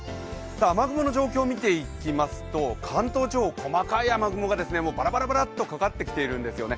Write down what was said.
雨雲の状況見ていきますと関東地方細かい雨雲がばらばらばらっとかかってきているんですね。